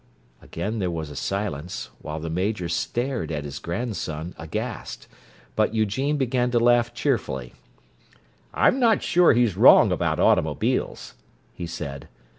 Again there was a silence, while the Major stared at his grandson, aghast. But Eugene began to laugh cheerfully. "I'm not sure he's wrong about automobiles," he said.